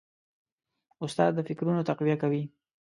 استاد د فکرونو تقویه کوي.